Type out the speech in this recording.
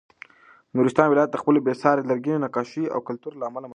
نورستان ولایت د خپلو بې ساري لرګینو نقاشیو او کلتور له امله مشهور دی.